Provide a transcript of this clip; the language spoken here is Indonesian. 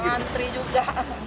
nggak ngantri juga